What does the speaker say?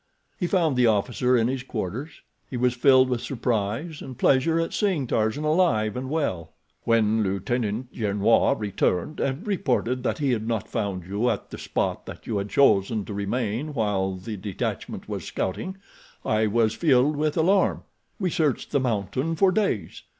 He found the officer in his quarters. He was filled with surprise and pleasure at seeing Tarzan alive and well. "When Lieutenant Gernois returned and reported that he had not found you at the spot that you had chosen to remain while the detachment was scouting, I was filled with alarm. We searched the mountain for days.